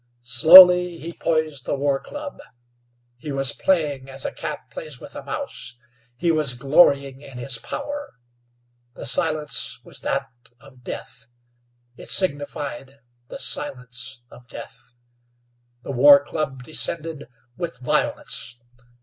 Slowly he poised the war club. He was playing as a cat plays with a mouse; he was glorying in his power. The silence was that of death. It signified the silence of death. The war club descended with violence.